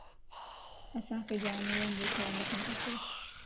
اسانک جانورين جو خيال رکڻ کپَ